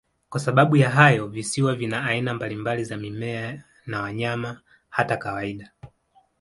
Kwa sababu ya hayo, visiwa vina aina mbalimbali za mimea na wanyama, hata kawaida.